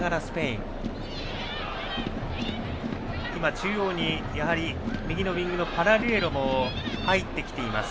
中央に、右のウイングのパラリュエロも入ってきています。